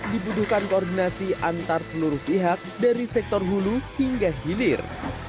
dibutuhkan koordinasi antar seluruh pihak dari sektor hulu hingga hilir